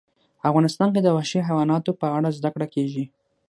افغانستان کې د وحشي حیواناتو په اړه زده کړه کېږي.